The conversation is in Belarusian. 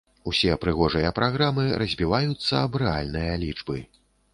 Усе прыгожыя праграмы разбіваюцца аб рэальныя лічбы.